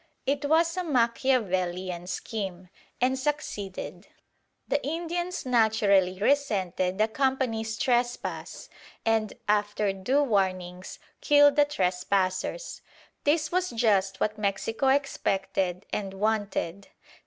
It was a Machiavellian scheme, and succeeded. The Indians naturally resented the companies' trespass, and, after due warnings, killed the trespassers. This was just what Mexico expected, and wanted.